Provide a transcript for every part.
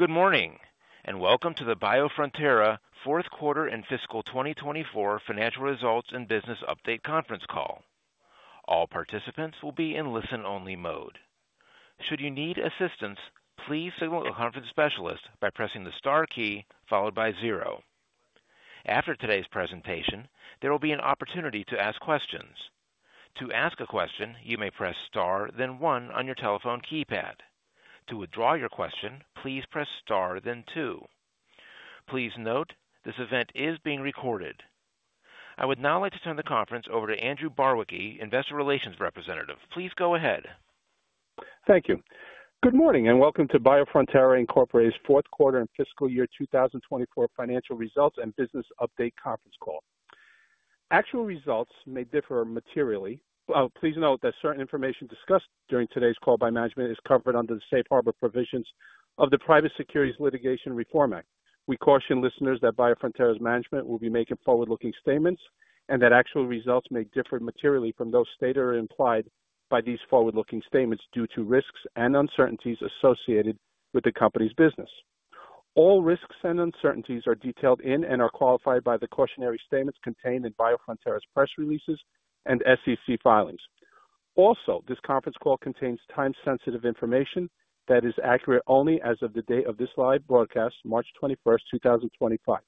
Good morning, and welcome to the Biofrontera fourth quarter and fiscal 2024 financial results and business update conference call. All participants will be in listen-only mode. Should you need assistance, please signal a conference specialist by pressing the star key followed by zero. After today's presentation, there will be an opportunity to ask questions. To ask a question, you may press star, then one on your telephone keypad. To withdraw your question, please press star, then two. Please note, this event is being recorded. I would now like to turn the conference over to Andrew Barwicki, Investor Relations Representative. Please go ahead. Thank you. Good morning, and welcome to Biofrontera's Fourth Quarter and Fiscal Year 2024 Financial Results and Business Update Conference Call. Actual results may differ materially. Please note that certain information discussed during today's call by management is covered under the safe harbor provisions of the Private Securities Litigation Reform Act. We caution listeners that Biofrontera's management will be making forward-looking statements and that actual results may differ materially from those stated or implied by these forward-looking statements due to risks and uncertainties associated with the company's business. All risks and uncertainties are detailed in and are qualified by the cautionary statements contained in Biofrontera's press releases and SEC filings. Also, this conference call contains time-sensitive information that is accurate only as of the date of this live broadcast, March 21st, 2025.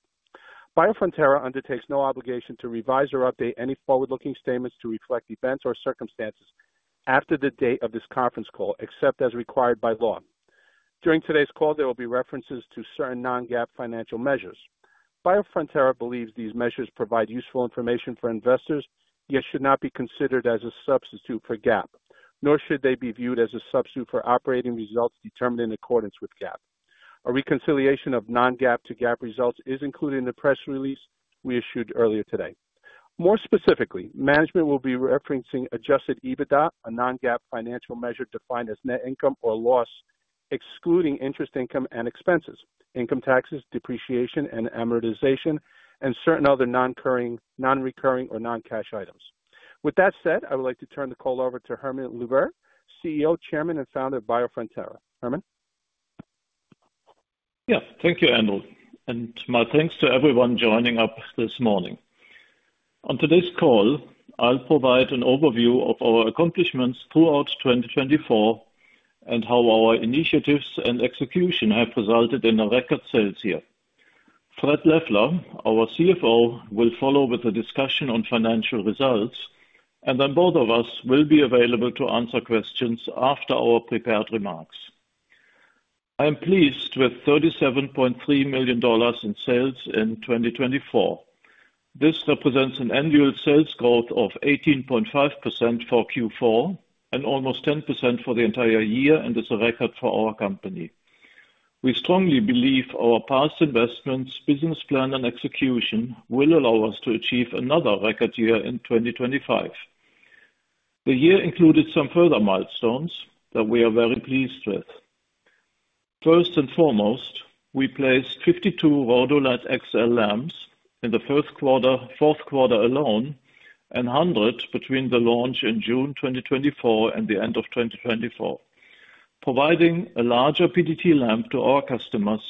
Biofrontera undertakes no obligation to revise or update any forward-looking statements to reflect events or circumstances after the date of this conference call, except as required by law. During today's call, there will be references to certain non-GAAP financial measures. Biofrontera believes these measures provide useful information for investors, yet should not be considered as a substitute for GAAP, nor should they be viewed as a substitute for operating results determined in accordance with GAAP. A reconciliation of non-GAAP to GAAP results is included in the press release we issued earlier today. More specifically, management will be referencing adjusted EBITDA, a non-GAAP financial measure defined as net income or loss excluding interest income and expenses, income taxes, depreciation and amortization, and certain other non-recurring or non-cash items. With that said, I would like to turn the call over to Hermann Luebbert, CEO, Chairman, and Founder of Biofrontera. Hermann. Yes, thank you, Andrew, and my thanks to everyone joining up this morning. On today's call, I'll provide an overview of our accomplishments throughout 2024 and how our initiatives and execution have resulted in a record sales year. Fred Leffler, our CFO, will follow with a discussion on financial results, and then both of us will be available to answer questions after our prepared remarks. I am pleased with $37.3 million in sales in 2024. This represents an annual sales growth of 18.5% for Q4 and almost 10% for the entire year, and it's a record for our company. We strongly believe our past investments, business plan, and execution will allow us to achieve another record year in 2025. The year included some further milestones that we are very pleased with. First and foremost, we placed 52 BF-RhodoLED XL lamps in the fourth quarter alone and 100 between the launch in June 2024 and the end of 2024. Providing a larger PDT lamp to our customers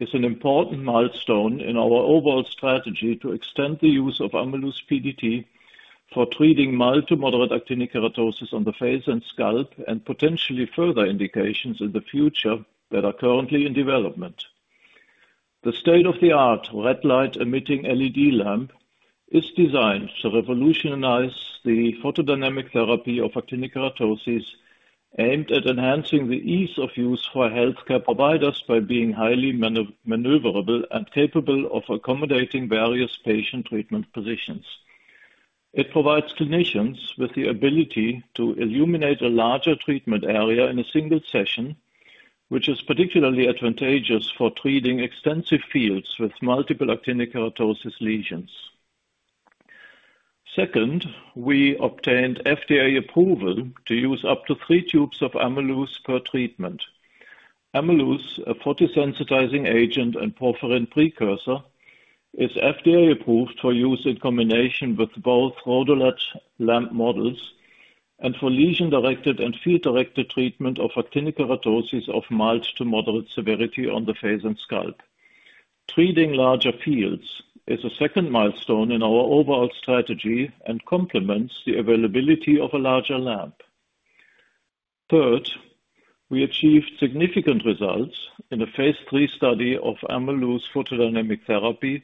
is an important milestone in our overall strategy to extend the use of Ameluz PDT for treating mild to moderate actinic keratosis on the face and scalp and potentially further indications in the future that are currently in development. The state-of-the-art red light-emitting LED lamp is designed to revolutionize the photodynamic therapy of actinic keratosis aimed at enhancing the ease of use for healthcare providers by being highly maneuverable and capable of accommodating various patient treatment positions. It provides clinicians with the ability to illuminate a larger treatment area in a single session, which is particularly advantageous for treating extensive fields with multiple actinic keratosis lesions. Second, we obtained FDA approval to use up to three tubes of Ameluz per treatment. Ameluz, a photosensitizing agent and porphyrin precursor, is FDA approved for use in combination with both BF-RhodoLED lamp models and for lesion-directed and field-directed treatment of actinic keratoses of mild to moderate severity on the face and scalp. Treating larger fields is a second milestone in our overall strategy and complements the availability of a larger lamp. Third, we achieved significant results in a phase 3 study of Ameluz photodynamic therapy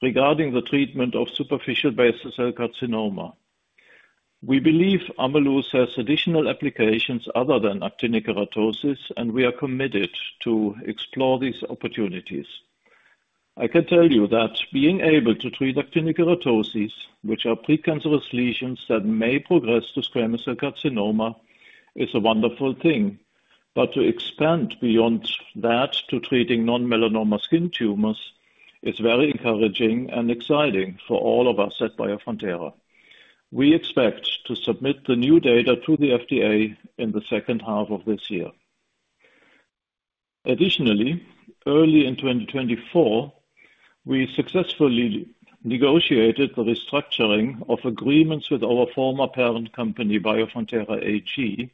regarding the treatment of superficial basal cell carcinoma. We believe Ameluz has additional applications other than actinic keratoses, and we are committed to explore these opportunities. I can tell you that being able to treat actinic keratoses, which are precancerous lesions that may progress to squamous cell carcinoma, is a wonderful thing, but to expand beyond that to treating non-melanoma skin tumors is very encouraging and exciting for all of us at Biofrontera. We expect to submit the new data to the FDA in the second half of this year. Additionally, early in 2024, we successfully negotiated the restructuring of agreements with our former parent company, Biofrontera AG,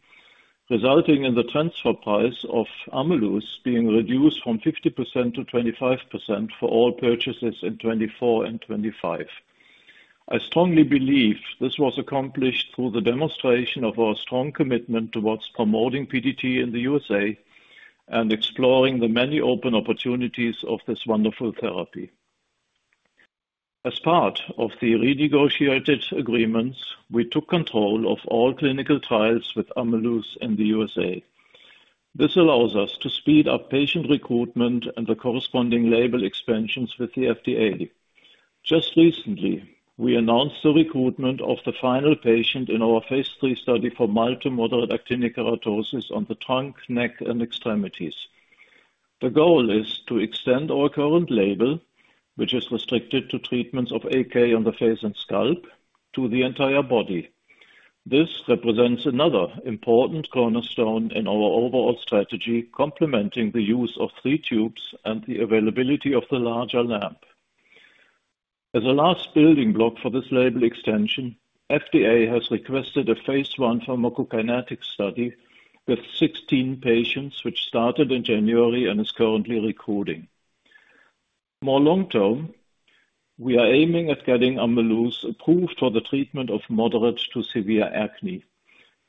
resulting in the transfer price of Ameluz being reduced from 50% to 25% for all purchases in 2024 and 2025. I strongly believe this was accomplished through the demonstration of our strong commitment towards promoting PDT in the U.S. and exploring the many open opportunities of this wonderful therapy. As part of the renegotiated agreements, we took control of all clinical trials with Ameluz in the U.S. This allows us to speed up patient recruitment and the corresponding label expansions with the FDA. Just recently, we announced the recruitment of the final patient in our phase III study for mild to moderate actinic keratoses on the trunk, neck, and extremities. The goal is to extend our current label, which is restricted to treatments of AK on the face and scalp, to the entire body. This represents another important cornerstone in our overall strategy, complementing the use of three tubes and the availability of the larger lamp. As a last building block for this label extension, FDA has requested a phase I pharmacokinetic study with 16 patients, which started in January and is currently recruiting. More long-term, we are aiming at getting Ameluz approved for the treatment of moderate to severe acne.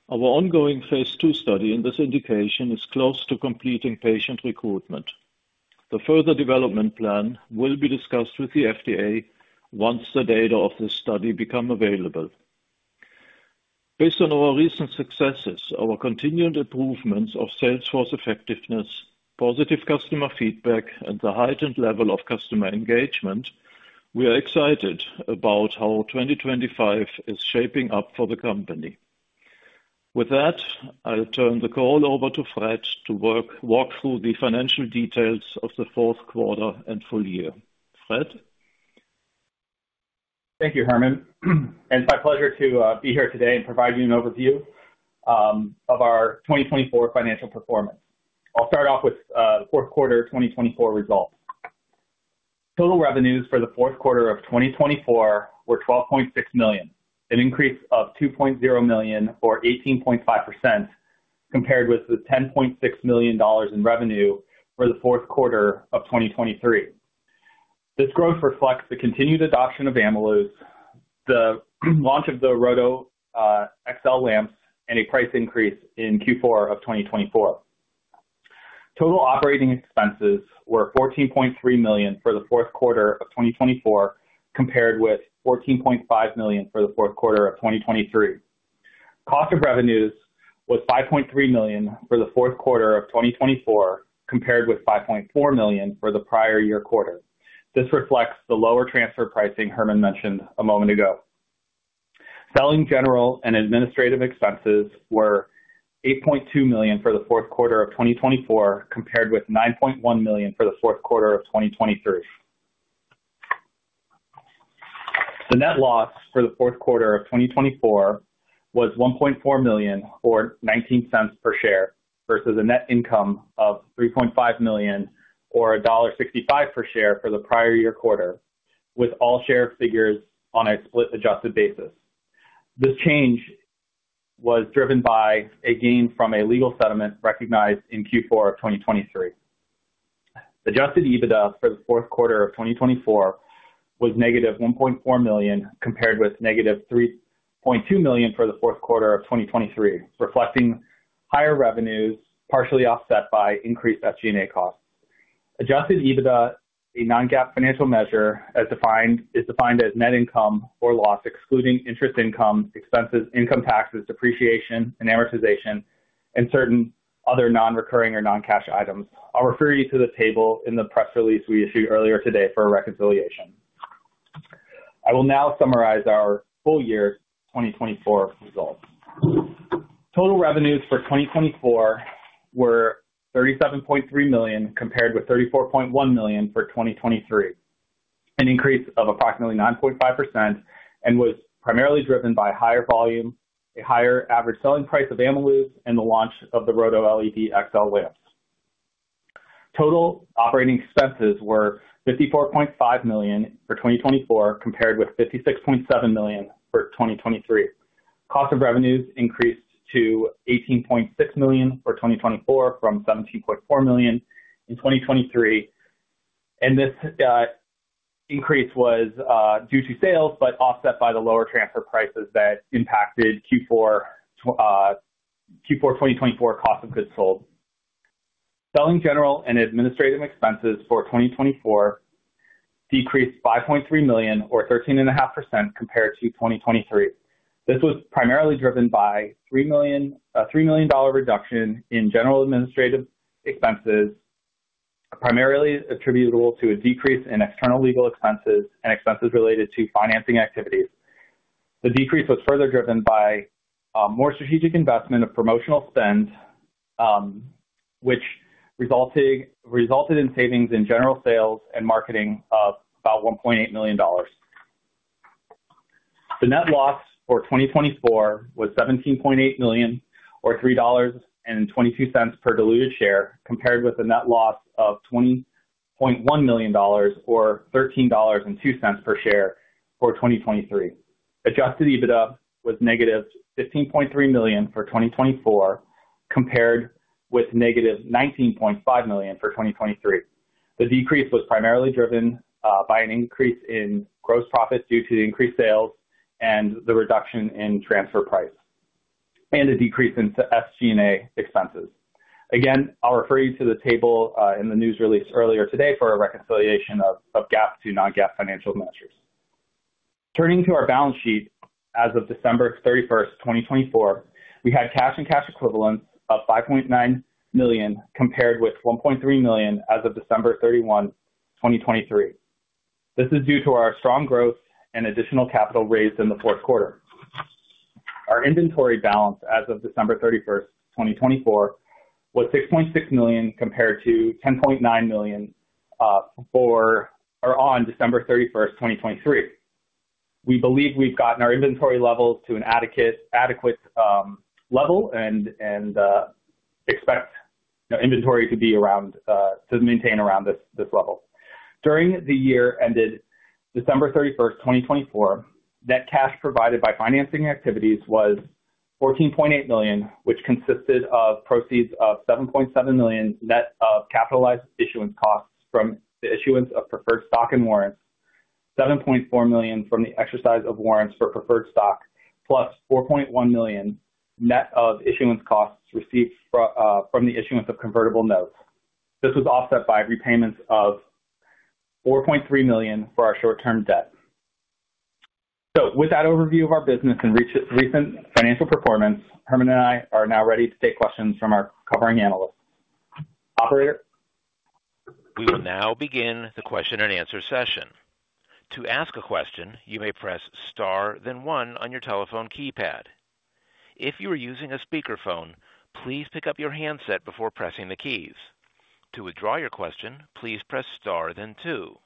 Our ongoing phase II study in this indication is close to completing patient recruitment. The further development plan will be discussed with the FDA once the data of this study become available. Based on our recent successes, our continued improvements of sales force effectiveness, positive customer feedback, and the heightened level of customer engagement, we are excited about how 2025 is shaping up for the company. With that, I'll turn the call over to Fred to walk through the financial details of the fourth quarter and full year. Fred? Thank you, Hermann. It's my pleasure to be here today and provide you an overview of our 2024 financial performance. I'll start off with the fourth quarter 2024 results. Total revenues for the fourth quarter of 2024 were $12.6 million, an increase of $2.0 million, or 18.5%, compared with the $10.6 million in revenue for the fourth quarter of 2023. This growth reflects the continued adoption of Ameluz, the launch of the BF-RhodoLED XL lamps, and a price increase in Q4 of 2024. Total operating expenses were $14.3 million for the fourth quarter of 2024, compared with $14.5 million for the fourth quarter of 2023. Cost of revenues was $5.3 million for the fourth quarter of 2024, compared with $5.4 million for the prior year quarter. This reflects the lower transfer pricing Hermann mentioned a moment ago. Selling general and administrative expenses were $8.2 million for the fourth quarter of 2024, compared with $9.1 million for the fourth quarter of 2023. The net loss for the fourth quarter of 2024 was $1.4 million, or $0.19 per share, versus a net income of $3.5 million, or $1.65 per share for the prior year quarter, with all share figures on a split-adjusted basis. This change was driven by a gain from a legal settlement recognized in Q4 of 2023. Adjusted EBITDA for the fourth quarter of 2024 was negative $1.4 million, compared with negative $3.2 million for the fourth quarter of 2023, reflecting higher revenues partially offset by increased SG&A costs. Adjusted EBITDA, a non-GAAP financial measure, is defined as net income or loss excluding interest income, expenses, income taxes, depreciation, amortization, and certain other non-recurring or non-cash items. I'll refer you to the table in the press release we issued earlier today for a reconciliation. I will now summarize our full year 2024 results. Total revenues for 2024 were $37.3 million, compared with $34.1 million for 2023, an increase of approximately 9.5%, and was primarily driven by higher volume, a higher average selling price of Ameluz, and the launch of the BF-RhodoLED XL lamps. Total operating expenses were $54.5 million for 2024, compared with $56.7 million for 2023. Cost of revenues increased to $18.6 million for 2024 from $17.4 million in 2023. This increase was due to sales but offset by the lower transfer prices that impacted Q4 2024 cost of goods sold. Selling, general and administrative expenses for 2024 decreased $5.3 million, or 13.5%, compared to 2023. This was primarily driven by a $3 million reduction in general administrative expenses, primarily attributable to a decrease in external legal expenses and expenses related to financing activities. The decrease was further driven by more strategic investment of promotional spend, which resulted in savings in general sales and marketing of about $1.8 million. The net loss for 2024 was $17.8 million, or $3.22 per diluted share, compared with a net loss of $20.1 million, or $13.02 per share for 2023. Adjusted EBITDA was negative $15.3 million for 2024, compared with negative $19.5 million for 2023. The decrease was primarily driven by an increase in gross profit due to the increased sales and the reduction in transfer price and a decrease in SG&A expenses. Again, I'll refer you to the table in the news release earlier today for a reconciliation of GAAP to non-GAAP financial measures. Turning to our balance sheet as of December 31, 2024, we had cash and cash equivalents of $5.9 million, compared with $1.3 million as of December 31, 2023. This is due to our strong growth and additional capital raised in the fourth quarter. Our inventory balance as of December 31, 2024, was $6.6 million, compared to $10.9 million on December 31, 2023. We believe we've gotten our inventory levels to an adequate level and expect inventory to maintain around this level. During the year ended December 31, 2024, net cash provided by financing activities was $14.8 million, which consisted of proceeds of $7.7 million net of capitalized issuance costs from the issuance of preferred stock and warrants, $7.4 million from the exercise of warrants for preferred stock, plus $4.1 million net of issuance costs received from the issuance of convertible notes. This was offset by repayments of $4.3 million for our short-term debt. With that overview of our business and recent financial performance, Hermann and I are now ready to take questions from our covering analysts. Operator? We will now begin the question-and-answer session. To ask a question, you may press star, then one on your telephone keypad. If you are using a speakerphone, please pick up your handset before pressing the keys. To withdraw your question, please press star, then two.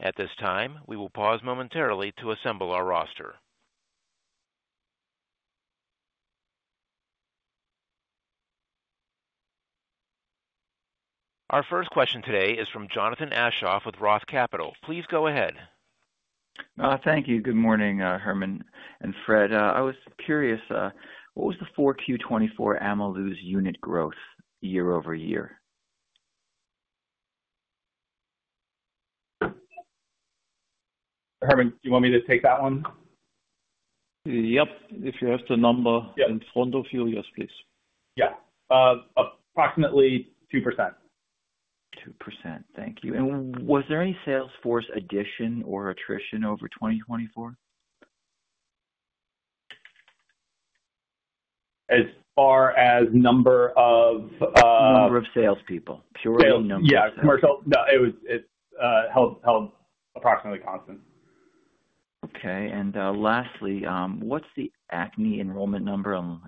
At this time, we will pause momentarily to assemble our roster. Our first question today is from Jonathan Aschoff with Roth Capital. Please go ahead. Thank you. Good morning, Hermann and Fred. I was curious, what was the 4Q24 Ameluz unit growth year over year? Hermann, do you want me to take that one? Yep. If you have the number in front of you, yes, please. Yeah. Approximately 2%. 2%. Thank you. Was there any sales force addition or attrition over 2024? As far as number of. Number of salespeople, purely numbers. Yeah. Commercial, no. It held approximately constant. Okay. Lastly, what's the acne enrollment number?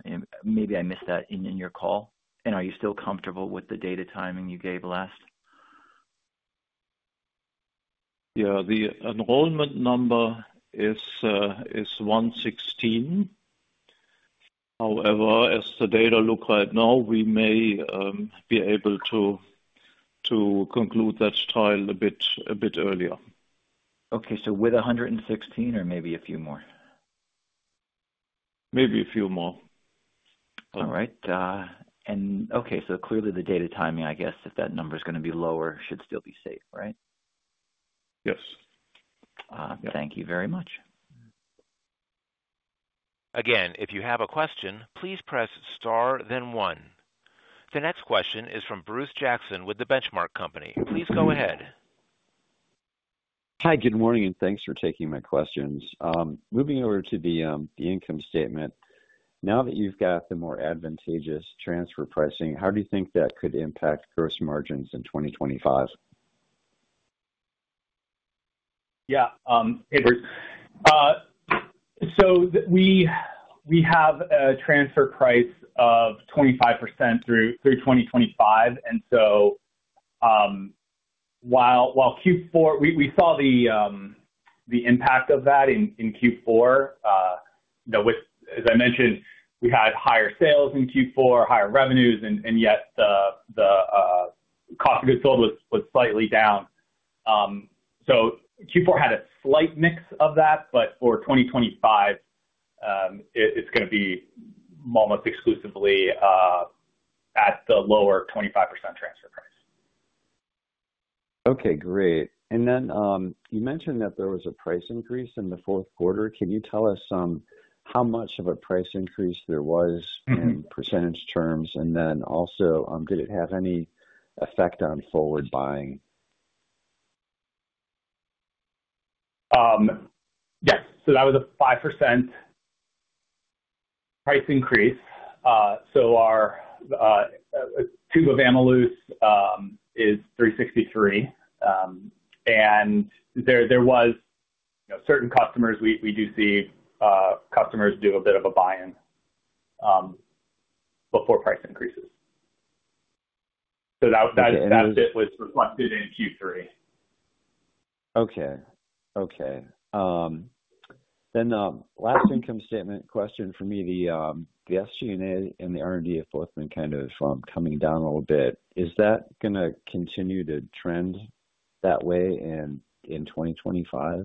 Maybe I missed that in your call. Are you still comfortable with the date of timing you gave last? Yeah. The enrollment number is 116. However, as the data look right now, we may be able to conclude that trial a bit earlier. Okay. With 116 or maybe a few more? Maybe a few more. All right. Okay. So clearly, the date of timing, I guess, if that number is going to be lower, should still be safe, right? Yes. Thank you very much. Again, if you have a question, please press star, then one. The next question is from Bruce Jackson with the Benchmark Company. Please go ahead. Hi. Good morning. Thanks for taking my questions. Moving over to the income statement, now that you've got the more advantageous transfer pricing, how do you think that could impact gross margins in 2025? Yeah. Hey, Bruce. We have a transfer price of 25% through 2025. While Q4, we saw the impact of that in Q4. As I mentioned, we had higher sales in Q4, higher revenues, and yet the cost of goods sold was slightly down. Q4 had a slight mix of that, but for 2025, it is going to be almost exclusively at the lower 25% transfer price. Okay. Great. You mentioned that there was a price increase in the fourth quarter. Can you tell us how much of a price increase there was in percentage terms? Also, did it have any effect on forward buying? Yes. That was a 5% price increase. Our tube of Ameluz is $363. There were certain customers, we do see customers do a bit of a buy-in before price increases. That bit was reflected in Q3. Okay. Okay. Then last income statement question for me, the SG&A and the R&D have both been kind of coming down a little bit. Is that going to continue to trend that way in 2025?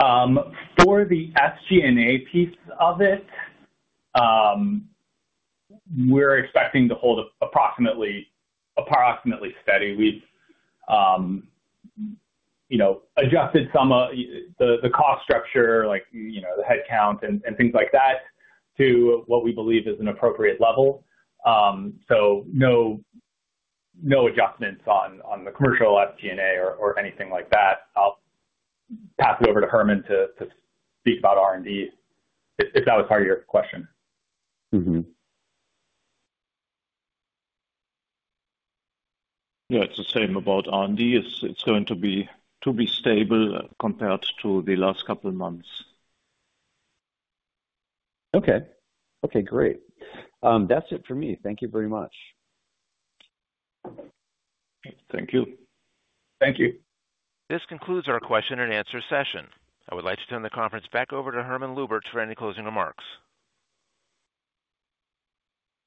For the FG&A piece of it, we're expecting to hold approximately steady. We've adjusted some of the cost structure, like the headcount and things like that, to what we believe is an appropriate level. No adjustments on the commercial FG&A or anything like that. I'll pass it over to Hermann to speak about R&D, if that was part of your question. Yeah. It's the same about R&D. It's going to be stable compared to the last couple of months. Okay. Okay. Great. That's it for me. Thank you very much. Thank you. Thank you. This concludes our question-and-answer session. I would like to turn the conference back over to Hermann Luebbert for any closing remarks.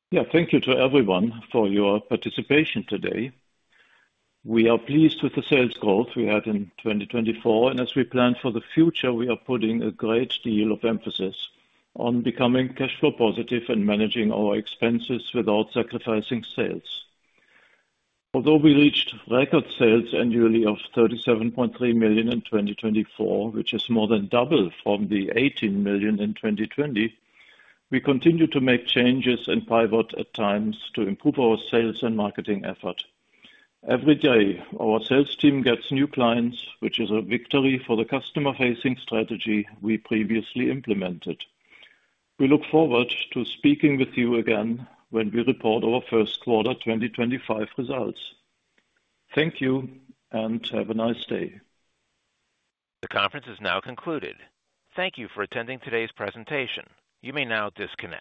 Yeah. Thank you to everyone for your participation today. We are pleased with the sales growth we had in 2024. As we plan for the future, we are putting a great deal of emphasis on becoming cash flow positive and managing our expenses without sacrificing sales. Although we reached record sales annually of $37.3 million in 2024, which is more than double from the $18 million in 2020, we continue to make changes and pivot at times to improve our sales and marketing effort. Every day, our sales team gets new clients, which is a victory for the customer-facing strategy we previously implemented. We look forward to speaking with you again when we report our first quarter 2025 results. Thank you and have a nice day. The conference is now concluded. Thank you for attending today's presentation. You may now disconnect.